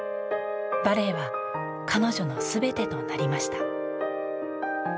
バレエは彼女の全てとなりました。